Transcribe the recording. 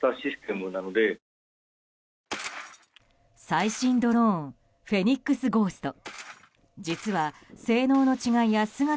最新ドローンフェニックスゴースト。